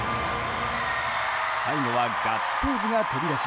最後はガッツポーズが飛び出し